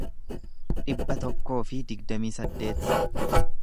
dhibba tokkoo fi digdamii saddeet